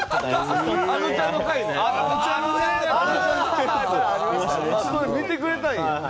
すごい見てくれたんや。